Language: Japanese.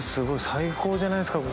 最高じゃないですか